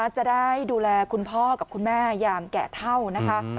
จะได้ดูแลคุณพ่อกับคุณแม่ยามแก่เท่านะคะ